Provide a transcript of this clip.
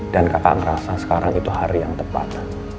dan kakak ngerasa sekarang itu hari yang tepat